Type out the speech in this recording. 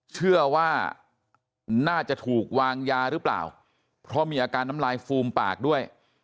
เชื่อว่าน่าจะถูกวางยาหรือเปล่าเพราะมีอาการน้ำลายฟูมปากด้วย